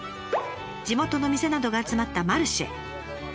地元の店などが集まったマルシェ。